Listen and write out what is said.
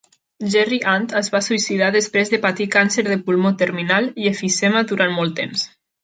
Jerry Ant es va suïcidar després de patir càncer de pulmó terminal i emfisema durant molt temps.